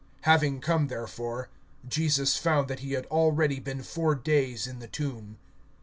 (17)Having come therefore, Jesus found that he had already been four days in the tomb.